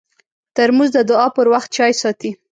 ترموز د دعا پر وخت چای ساتي.